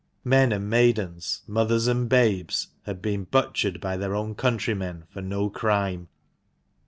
Men and maidens, mothers and babes, had been butchered by their own countrymen for no crime.